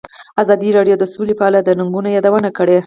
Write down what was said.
ازادي راډیو د سوله په اړه د ننګونو یادونه کړې.